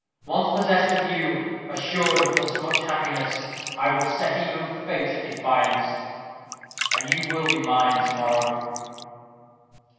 Once possessed of you, assured of thus much happiness, I would set even fate at defiance. And you will be mine to morrow."